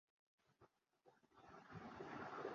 আপনি হয়তো ভালো করেই জানেন।